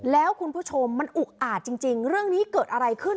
แล้วคุณผู้ชมมันอุกอาจจริงเรื่องนี้เกิดอะไรขึ้น